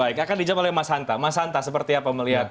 baik akan dijawab oleh mas hanta mas hanta seperti apa melihat